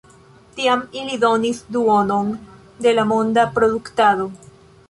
Tiam ili donis duonon de la monda produktado.